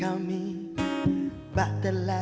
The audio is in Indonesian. kami akan mencoba